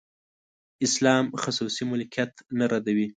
اسلام خصوصي ملکیت نه ردوي.